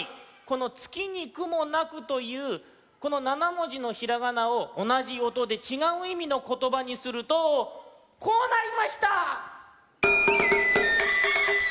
この「つきにくもなく」というこの７もじのひらがなをおなじおとでちがういみのことばにするとこうなりました！